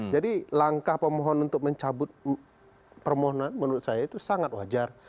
jadi langkah pemohon untuk mencabut permohonan menurut saya itu sangat wajar